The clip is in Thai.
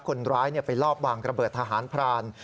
คนร้ายไปลอบวางระเบิดทหารพราน